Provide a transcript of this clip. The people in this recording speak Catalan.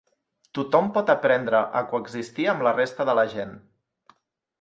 Tothom pot aprendre a coexistir amb la resta de la gent.